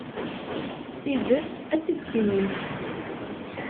Tidet, ad tt-id-tinimt.